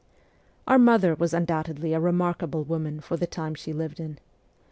Our mother was undoubtedly a remarkable woman for the times she lived in.